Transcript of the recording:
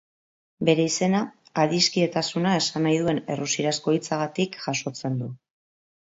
Bere izena adiskidetasuna esan nahi duen errusierazko hitzagatik jasotzen du.